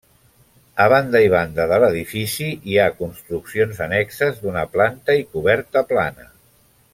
A banda i banda de l'edifici hi ha construccions annexes, d'una planta i coberta plana.